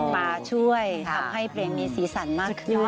มาช่วยทำให้เพลงนี้สีสันมากขึ้น